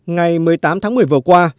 ngày một mươi tám tháng một mươi vừa qua